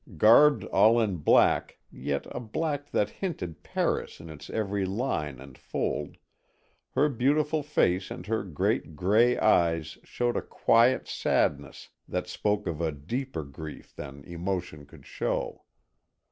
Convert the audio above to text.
Garbed all in black, yet a black that hinted Paris in its every line and fold, her beautiful face and her great gray eyes showed a quiet sadness that spoke of a deeper grief than emotion could show.